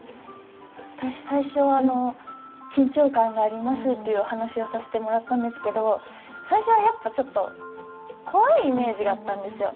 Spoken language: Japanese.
私最初は緊張感がありますっていうお話をさせてもらったんですけど最初はやっぱちょっと怖いイメージがあったんですよ。